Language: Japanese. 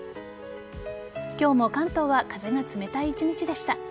今日も、関東は風が冷たい一日でした。